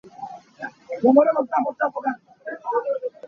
A aw aa khenh ngai te.